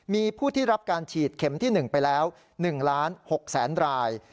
มีผู้ที่รับการฉีดเข็มที่๑ไปแล้ว๑๖๐๐๐ราย